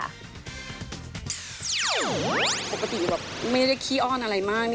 ก็ปกติแบบไม่ได้คี่อ้อนหรอกอะไรมาก